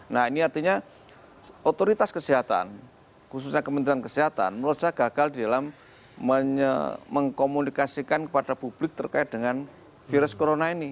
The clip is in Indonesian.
nah ini artinya otoritas kesehatan khususnya kementerian kesehatan menurut saya gagal di dalam mengkomunikasikan kepada publik terkait dengan virus corona ini